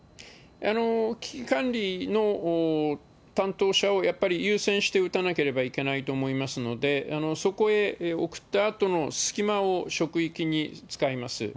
危機管理の担当者をやっぱり優先して打たなければいけないと思いますので、そこへ送ったあとの隙間を職域に使います。